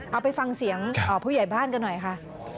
เอาไปฟังเสียงผู้ใหญ่บ้านกันหน่อยค่ะ